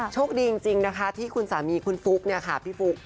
ช่วงดีจริงนะคะที่คุณสามีคุณฟุ๊กพี่ฟุ๊ก